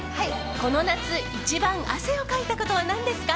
この夏、一番汗をかいたことは何ですか？